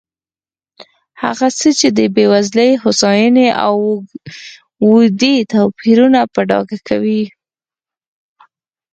هغه څه دي چې د بېوزلۍ، هوساینې او ودې توپیرونه په ډاګه کوي.